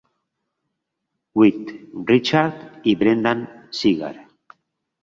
Witt, Richard i Brendan Segar.